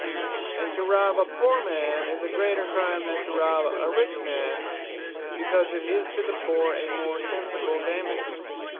And to Robbe a poore man, is a greater Crime, than to robbe a rich man; because 'tis to the poore a more sensible dammage.